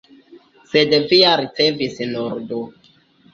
Sed vi ja ricevis nur du!